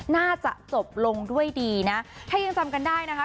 น่าจะจบลงด้วยดีนะถ้ายังจำกันได้นะคะ